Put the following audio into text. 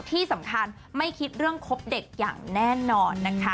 ที่สำคัญไม่คิดเรื่องคบเด็กอย่างแน่นอนนะคะ